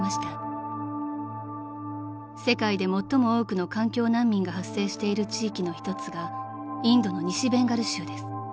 ［世界で最も多くの環境難民が発生している地域の一つがインドの西ベンガル州です］